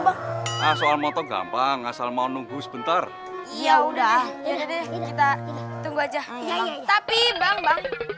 bang asal asal mau nunggu sebentar ya udah kita tunggu aja tapi bang bang